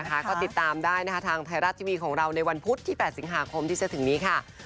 ก็ติดตามได้นะคะทางไทยรัฐทีวีของเราในวันพุธที่๘สิงหาคมที่จะถึงนี้ค่ะ